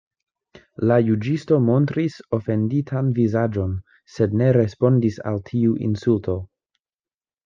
La juĝisto montris ofenditan vizaĝon, sed ne respondis al tiu insulto.